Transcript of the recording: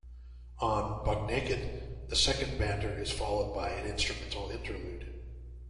On "Buck Naked", the second banter is followed by an instrumental interlude.